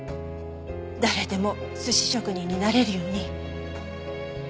誰でも寿司職人になれるように。